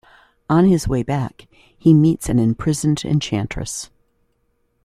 On his way back, he meets an imprisoned Enchantress.